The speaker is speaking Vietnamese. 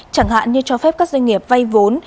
chẳng hạn như cho phép các doanh nghiệp vay vốn